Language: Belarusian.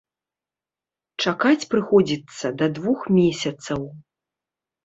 Чакаць прыходзіцца да двух месяцаў.